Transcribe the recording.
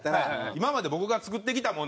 今まで僕が作ってきたものこれです！